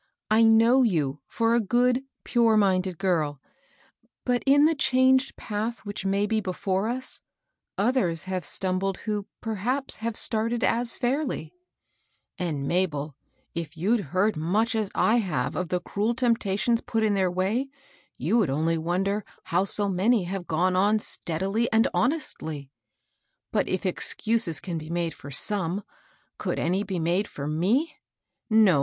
I know you for a good, pure minded girl ; but in the changed path which may be b^ore us, others have stumbled who, perhaps, have started as fairly*" '^ And, Mabel, if you'd heard much as I have of the cruel temptations put in their way, you would only wonder how so many have gone on steadily and honestly* But if excuses can be made for some, could any be made for me f No, A SEAfiCH FOJEL WORK.